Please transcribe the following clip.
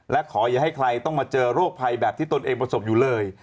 และขออย่าให้ใครต้องมาเจอโรคภัยแบบที่ตนเองประสบอยู่เลย